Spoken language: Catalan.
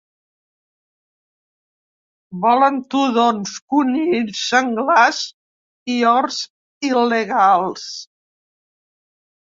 Volen tudons, conills, senglars i horts il·legals.